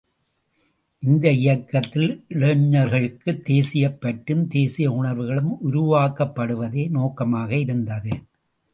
இந்த இயக்கத்தில் இளைஞர்களுக்கு சுதேசிப் பற்றும், தேசிய உணர்வுகளும் உருவாக்கப்படுவதே நோக்கமாக இருந்தது.